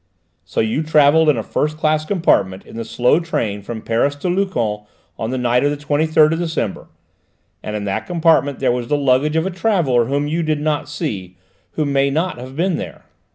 "So you travelled in a first class compartment in the slow train from Paris to Luchon on the night of the 23rd of December, and in that compartment there was the luggage of a traveller whom you did not see who may not have been there?"